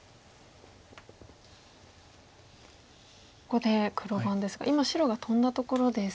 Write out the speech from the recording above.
ここで黒番ですが今白がトンだところです。